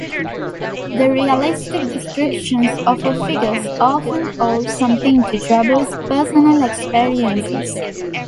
The realistic descriptions of her figures often owe something to Drabble's personal experiences.